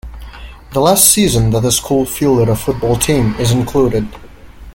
The last season that the school fielded a football team is included.